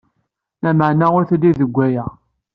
Lmeɛna ur telli deg aya.